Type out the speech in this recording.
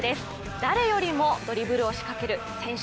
誰よりもドリブルを仕掛ける選手